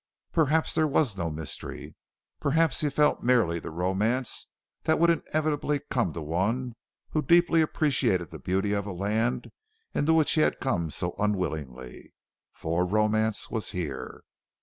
Perhaps there was no mystery. Perhaps he felt merely the romance that would inevitably come to one who deeply appreciated the beauty of a land into which he had come so unwillingly? For romance was here.